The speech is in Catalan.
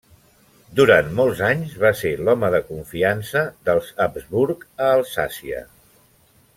Durant molts anys, va ser l'home de confiança dels Habsburg a Alsàcia.